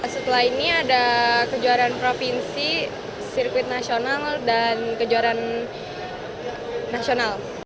setelah ini ada kejuaraan provinsi sirkuit nasional dan kejuaraan nasional